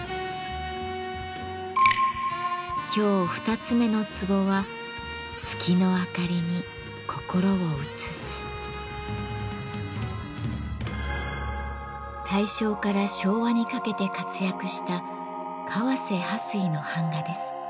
今日２つ目の壺は大正から昭和にかけて活躍した川瀬巴水の版画です。